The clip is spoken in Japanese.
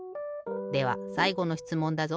ではさいごのしつもんだぞ。